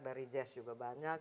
dari jazz juga banyak